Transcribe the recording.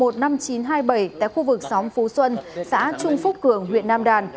tại khu vực xóm phú xuân xã trung phúc cường huyện nam đàn